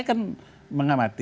bukung puli itu menang